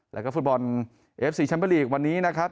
แล้วก็ฟุตบอลเอฟซีแชมเบอร์ลีกวันนี้นะครับ